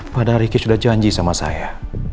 padahal ricky sudah janji sama saya